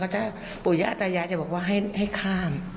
เขาจะปุญญาตายาจะบอกว่าให้ข้าม